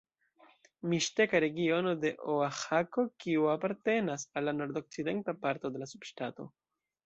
Miŝteka regiono de Oaĥako, kiu apartenas al la nordokcidenta parto de la subŝtato.